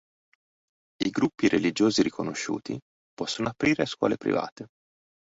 I gruppi religiosi riconosciuti possono aprire scuole private.